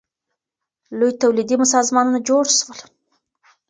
لوی تولیدي سازمانونه جوړ سول.